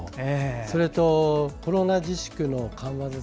それと、コロナ自粛の緩和。